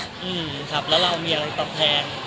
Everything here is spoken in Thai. อืมครับแล้วเรามีอะไรตอบแทน